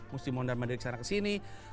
mesti mohon dan mandiri kesana kesini